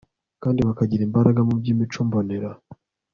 kandi bakagira imbaraga mu byimico mbonera